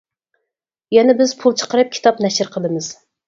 يەنى بىز پۇل چىقىرىپ كىتاب نەشر قىلىمىز.